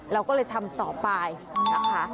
เราก็เลยทำต่อไปนะคะ